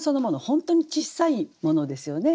本当に小さいものですよね。